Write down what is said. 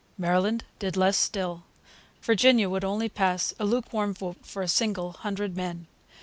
Maryland did less still. Virginia would only pass a lukewarm vote for a single hundred men.